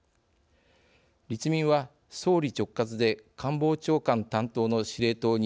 立民は「総理直轄で官房長官担当の司令塔に」